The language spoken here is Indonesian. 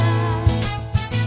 agar semua tak berakhir